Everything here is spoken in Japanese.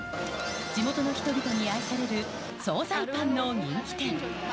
地元の人々にされる総菜パンの人気店。